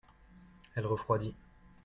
Elle refroidit.